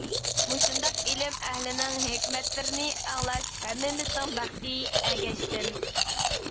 مۇشۇنداق ئىلىم ئەھلىنىڭ ھېكمەتلىرىنى ئاڭلاش ھەممىمىزنىڭ بەختى. ئەگەشتىم.